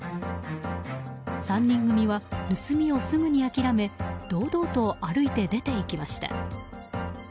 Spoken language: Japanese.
３人組は盗みをすぐに諦め堂々と歩いて出て行きました。